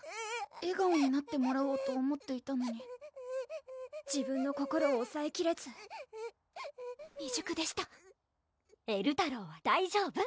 笑顔になってもらおうと思っていたのに自分の心をおさえきれず未熟でしたえるたろうは大丈夫！